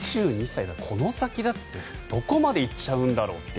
２２歳だとこの先どこまでいっちゃうんだろうと。